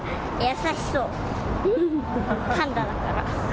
優しそう。